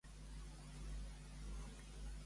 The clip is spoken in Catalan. Què afirma sobre la gent pobra?